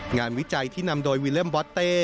วิจัยที่นำโดยวิเล่มบอสเต้